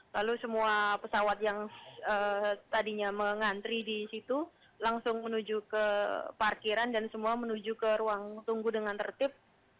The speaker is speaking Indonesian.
lalu semua pesawat yang tadinya mengantri di situ langsung menuju ke parkiran dan semua menuju ke ruang tunggu dengan tertib